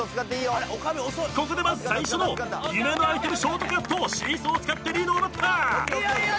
ここでまず最初の夢のアイテムショートカットシーソーを使ってリードを奪った！